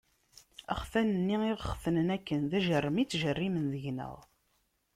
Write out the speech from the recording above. Axtan-nni i ɣ-xetnen akken, d ajerrem i ttjerrimen deg-neɣ.